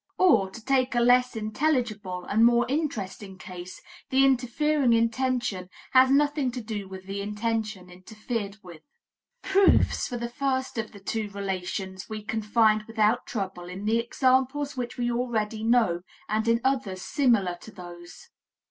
Or, to take a less intelligible and more interesting case, the interfering intention has nothing to do with the intention interfered with. Proofs for the first of the two relations we can find without trouble in the examples which we already know and in others similar to those.